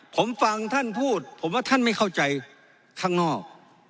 ผมฟังท่านพูดผมว่าท่านไม่เข้าใจข้างนอก